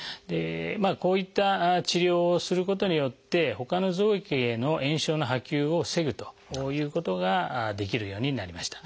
こういった治療をすることによってほかの臓器への炎症の波及を防ぐということができるようになりました。